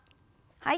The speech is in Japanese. はい。